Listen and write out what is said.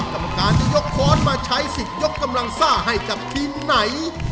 กรรมการจะยกค้อนมาใช้สิทธิ์ยกกำลังซ่าให้กับทีมไหน